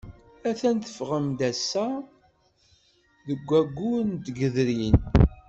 Atan teffɣem-d ass-a deg waggur n tgedrin.